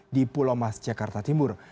di pulau mas jakarta timur